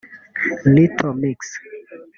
Little Mix